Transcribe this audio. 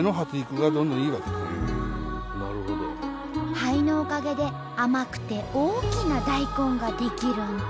灰のおかげで甘くて大きな大根が出来るんと。